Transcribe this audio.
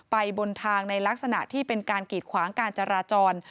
บนทางในลักษณะที่เป็นการกีดขวางการจราจร